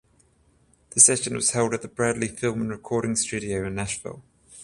The session was held at the Bradley Film and Recording Studio in Nashville.